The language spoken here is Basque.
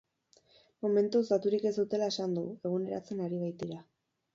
Momentuz daturik ez dutela esan du, eguneratzen ari baitira.